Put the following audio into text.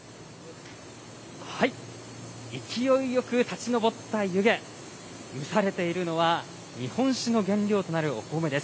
勢いよく立ち上った湯気、蒸されているのは、日本酒の原料となるお米です。